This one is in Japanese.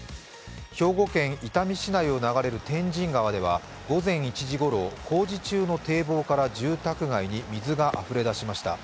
兵庫県伊丹市内を流れる天神川では午前１時ごろ、工事中の堤防から住宅街に水があふれ出しました。